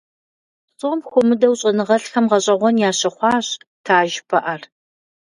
Псом хуэмыдэу щӀэныгъэлӀхэм гъэщӏэгъуэн ящыхъуащ таж пыӀэр.